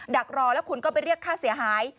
ดักรอแล้วคุณก็ไปเรียกค่าเสียหาย